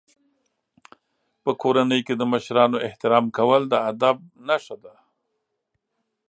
په کورنۍ کې د مشرانو احترام کول د ادب نښه ده.